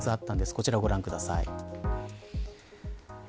こちらご覧ください。